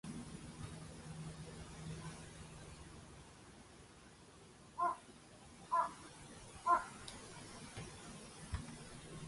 ある日、皇帝は私の食事振りを聞かれて、では自分も皇后、皇子、皇女たちと一しょに、私と会食がしてみたいと望まれました。